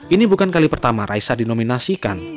ini bukan kali pertama raisa dinominasikan